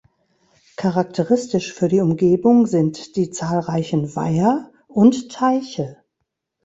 Charakteristisch für die Umgebung sind die zahlreichen Weiher und Teiche.